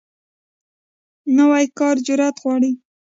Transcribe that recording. نوی کار جرئت غواړي